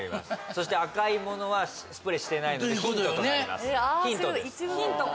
そして赤いものはスプレーしてないのでヒントです